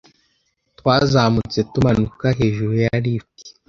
Twazamutse tumanuka hejuru ya lift.